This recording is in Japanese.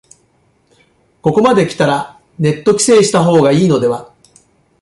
ここまできたらネット規制した方がいいのでは